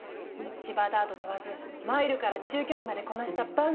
芝ダート問わずマイルから中距離までこなした万能Ｇ１馬。